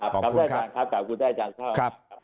ขอบคุณครับขอบคุณท่านครับขอบคุณท่านครับ